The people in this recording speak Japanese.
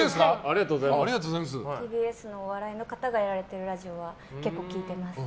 ＴＢＳのお笑いの方がやられているラジオは結構聞いてます。